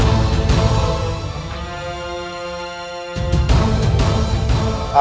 terima kasih nyai